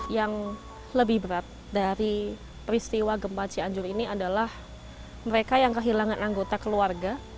yang lebih berat dari peristiwa gempa cianjur ini adalah mereka yang kehilangan anggota keluarga